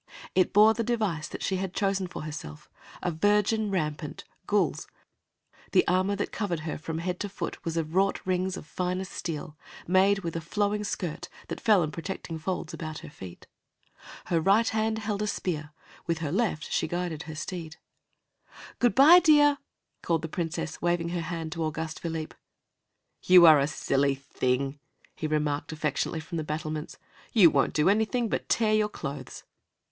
It bore the device that she had chosen for herself, a virgin rampant, gules. The armor that covered her from head to foot was of wrought rings of finest steel, made with a flowing skirt that fell in protecting folds about her feet. Her right hand held a spear; with her left she guided her steed. "Good by, dear!" called the Princess, waving her hand to Auguste Philippe. "You are a silly thing," he remarked, affectionately, from the battlements. "You won't do anything but tear your clothes."